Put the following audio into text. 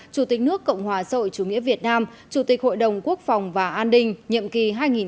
chủ tịch nước cộng hòa sội chủ nghĩa việt nam chủ tịch hội đồng quốc phòng và an đình nhiệm kỳ hai nghìn hai mươi một hai nghìn hai mươi sáu